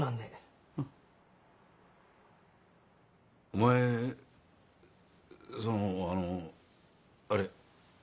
お前そのあのあれ。